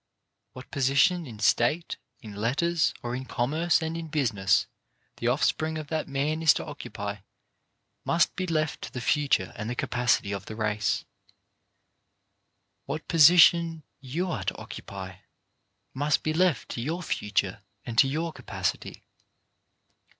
What position in State, in letters, or in com merce and in business the offspring of that man is to occupy must be left to the future and the *33 234 CHARACTER BUILDING capacity of the race. What position you are to occupy must be left to your future and to your capacity.